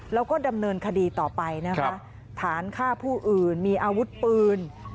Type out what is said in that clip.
แล้วก็ดำเนินคดีต่อไปนะคะฐานฆ่าผู้อื่นมีอาวุธปืน